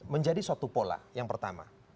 menjadi suatu pola yang pertama